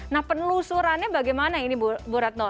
nah penelusurannya bagaimana ini bu retno